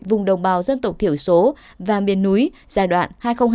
vùng đồng bào dân tộc thiểu số và miền núi giai đoạn hai nghìn hai mươi một hai nghìn hai mươi ba